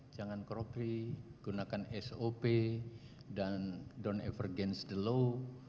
jangan korupsi gunakan sop dan don t ever against the law